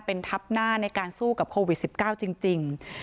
เป็นทับหน้าในการสู้กับโควิด๑๙จริง